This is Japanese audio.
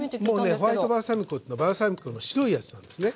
ホワイトバルサミコっていうのはバルサミコの白いやつなんですね。